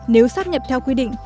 nếu sắp nhập theo quy định